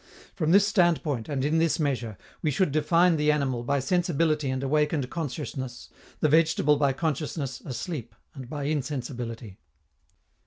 From this standpoint, and in this measure, we should define the animal by sensibility and awakened consciousness, the vegetable by consciousness asleep and by insensibility.